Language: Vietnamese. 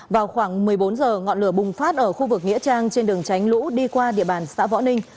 vào khoảng một mươi bốn h ngọn lửa bùng phát ở khu vực nghĩa trang trên đường tránh lũ đi qua địa bàn xã võ ninh